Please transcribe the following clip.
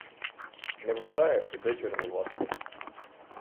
Не вгадає — піде чергувати.